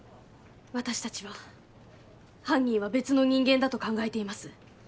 私たちは犯人は別の人間だと考えています。